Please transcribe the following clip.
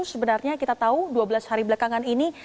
sebenarnya kita tahu dua belas hari belakangan ini